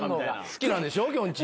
好きなんでしょきょんちぃ。